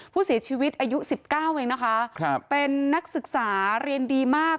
ผู้เสียชีวิตอายุ๑๙เองนะคะเป็นนักศึกษาเรียนดีมาก